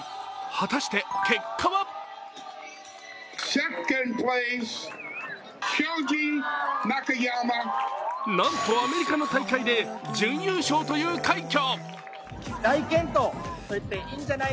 果たして結果はなんとアメリカの大会で準優勝という快挙。